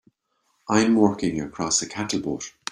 I'm working across on a cattle boat.